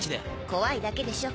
怖いだけでしょ。